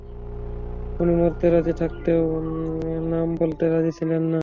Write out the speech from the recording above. উনি মরতে রাজি থাকলেও নাম বলতে রাজি ছিলেন না।